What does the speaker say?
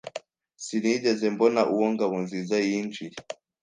Sinigeze mbona uwo Ngabonziza yinjiye.